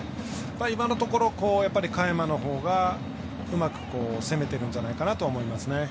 今のところ嘉弥真のほうがうまく攻めてるんじゃないかと思いますね。